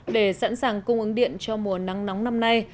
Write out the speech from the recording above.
để sẵn sàng cung ứng điện cho mùa nắng nóng năm nay